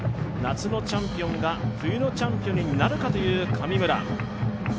夏のチャンピオンが冬のチャンピオンになるかという神村。